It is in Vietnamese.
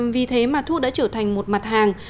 vì thế mà thuốc đã trở thành một mặt hàng